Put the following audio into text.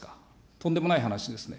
とんでもない話ですね。